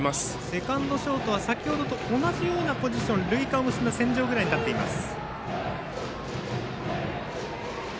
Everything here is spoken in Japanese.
セカンド、ショートは先ほどと同じようなポジション塁間を結んだ線上ぐらいに立っています。